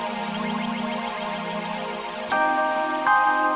semoga tenter rempong